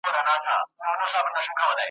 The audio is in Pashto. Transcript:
یو پر بل یې جوړه کړې کربلا وه `